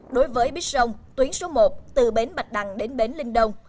đối với bích sông tuyến số một từ bến bạch đăng đến bến linh đông